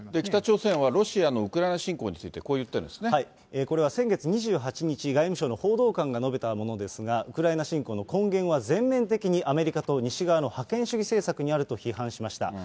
北朝鮮はロシアのウクライナ侵攻について、これは先月２８日、外務省の報道官が述べたものですが、ウクライナ侵攻の根源は、全面的にアメリカと西側の覇権主義政策にあると批判しました。